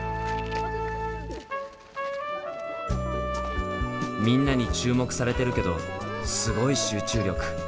みんなに注目されてるけどすごい集中力。